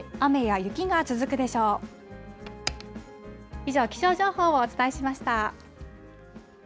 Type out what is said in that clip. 以上、気象情報をお伝えしました。